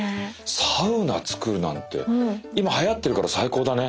サウナ造るなんて今はやってるから最高だね。